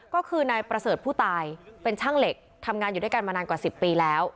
ก็คือนายประเสริฐผู้ตายเป็นช่างเหล็กทำงานอยู่ด้วยกันมานานกว่า๑๐ปีแล้ว